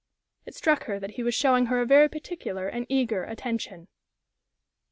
It struck her that he was showing her a very particular and eager attention.